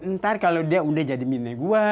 ntar kalau dia udah jadi mine gue